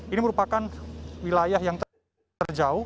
ini merupakan wilayah yang terjauh